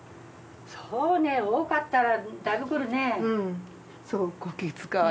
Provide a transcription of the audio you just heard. そうね多かったらだいぶ来るね。